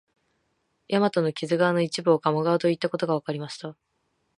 大和の木津川の一部分を鴨川といったことがわかりました